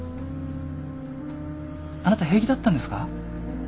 あなた平気だったんですか？